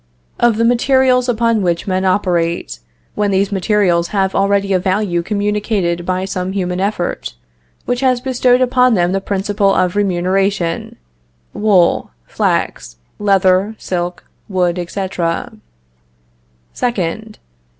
Of the materials upon which men operate, when these materials have already a value communicated by some human effort, which has bestowed upon them the principle of remuneration wool, flax, leather, silk, wood, etc. 2nd.